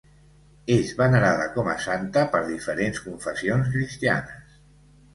És venerada com a santa per diferents confessions cristianes.